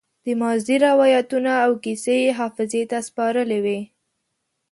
د ماضي روايتونه او کيسې يې حافظې ته سپارلې وي.